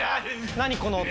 何この音？